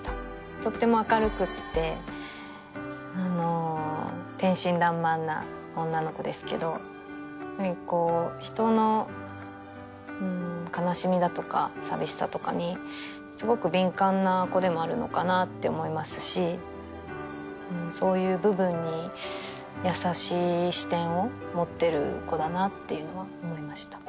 とっても明るくて天真爛漫な女の子ですけど人の悲しみだとか寂しさとかにすごく敏感な子でもあるのかなって思いますしそういう部分に優しい視点を持ってる子だなっていうのは思いました